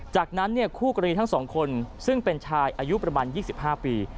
จากนั้นคู่กรณีทั้ง๒คนซึ่งเป็นชายอายุประมาณ๒๕ปี